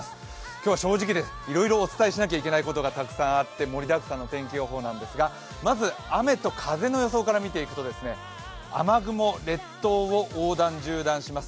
今日は正直です、いろいろお伝えしないといけないことがあって盛りだくさんの天気予報なんですが、まず雨と風の予想から見ていくと雨雲列島を横断、縦断します。